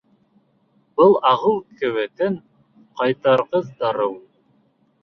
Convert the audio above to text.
Был ағыу ҡеүәтен ҡайтарғыс дарыу.